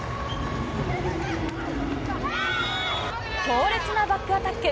強烈なバックアタック。